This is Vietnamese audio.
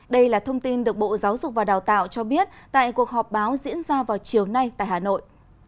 đây là thông tin được bộ giáo dục và đào tạo cho biết tại cuộc họp báo diễn ra vào chiều nay tại hà nội